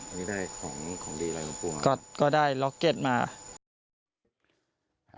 แล้วตอนนี้ได้ของดีอะไรหรือลุงปู่ครับ